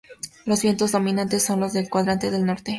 Los vientos dominantes son los del cuadrante norte.